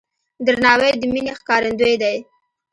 درناوی د مینې ښکارندوی دی.